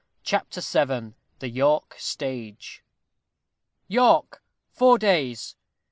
CHAPTER VII THE YORK STAGE YORK, FOUR DAYS!